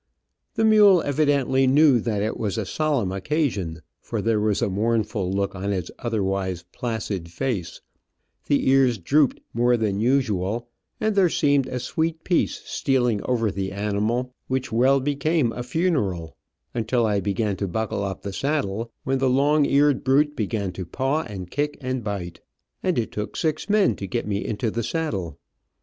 The mule evidently knew that it was a solemn occasion, for there was a mournful look on its otherwise placid face, the ears drooped more than usual, and there seemed a sweet peace stealing over the animal, which well became a funeral, until I began to buckle up the saddle, when the long eared brute began to paw and kick and bite, and it took six men to get me into the saddle.